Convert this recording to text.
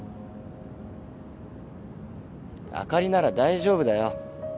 あかりなら大丈夫だよ。